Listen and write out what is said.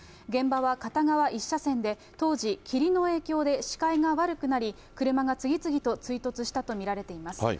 現場は片側１車線で、当時、霧の影響で視界が悪くなり、車が次々と追突したと見られています。